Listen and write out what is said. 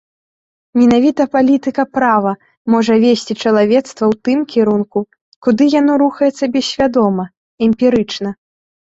Менавіта палітыка права можа весці чалавецтва ў тым кірунку, куды яно рухаецца бессвядома, эмпірычна.